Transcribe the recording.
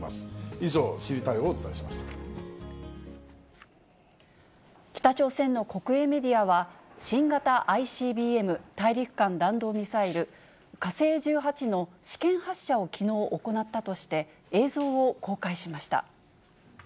以上、北朝鮮の国営メディアは、新型ＩＣＢＭ・大陸間弾道ミサイル、火星１８の試験発射をきのう、行ったとして、映像を公開しました。